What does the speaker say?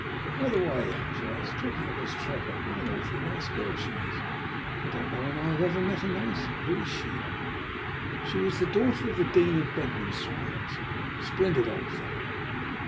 "By the way, Hatteras, talking of Miss Trevor, what an awfully nice girl she is. I don't know when I have ever met a nicer. Who is she?" "She is the daughter of the Dean of Bedminster," I answered; "a splendid old fellow."